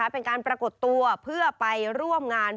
เป็นการปรากฏตัวเพื่อไปร่วมงาน